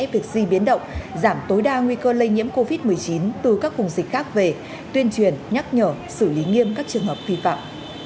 việc di biến động giảm tối đa nguy cơ lây nhiễm covid một mươi chín từ các vùng dịch khác về tuyên truyền nhắc nhở xử lý nghiêm các trường hợp vi phạm